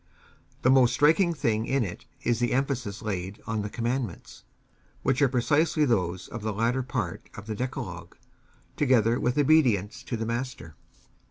The most striking thing in it is the emphasis laid on the Commandments, which are precisely those of the latter part of the Decalogue, together with obedience to the Master.